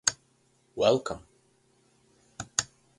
Welcome